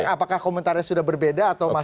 apakah komentarnya sudah berbeda atau masih